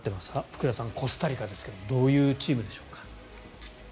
福田さん、コスタリカですけどもどういうチームでしょうか。